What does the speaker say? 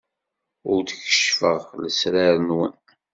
Ur d-keccfeɣ lesrar-nwen.